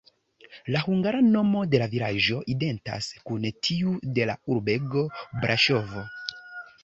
La hungara nomo de la vilaĝo identas kun tiu de la urbego Braŝovo.